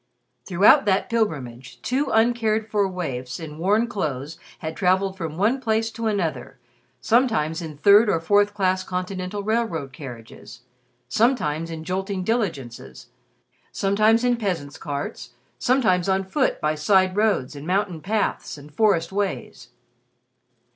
Throughout that pilgrimage, two uncared for waifs in worn clothes had traveled from one place to another, sometimes in third or fourth class continental railroad carriages, sometimes in jolting diligences, sometimes in peasants' carts, sometimes on foot by side roads and mountain paths, and forest ways.